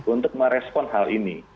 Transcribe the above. untuk merespon hal ini